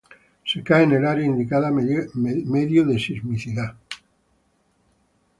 Se cae en el área indicada medio de sismicidad.